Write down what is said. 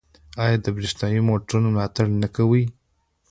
آیا د بریښنايي موټرو ملاتړ نه کوي؟